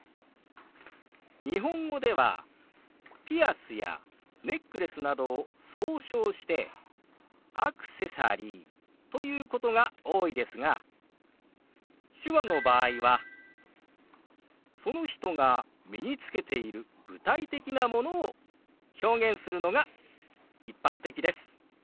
日本語ではピアスやネックレスなどを総称して「アクセサリー」と言うことが多いですが手話の場合はその人が身につけている具体的なものを表現するのが一般的です。